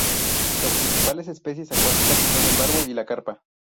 Las principales especies acuáticas son el barbo y la carpa.